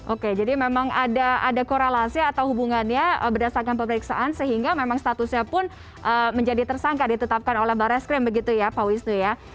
oke jadi memang ada korelasi atau hubungannya berdasarkan pemeriksaan sehingga memang statusnya pun menjadi tersangka ditetapkan oleh barreskrim begitu ya pak wisnu ya